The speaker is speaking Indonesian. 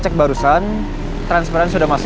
main bola bareng bareng